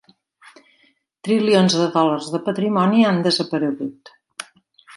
Trilions de dòlars de patrimoni han desaparegut.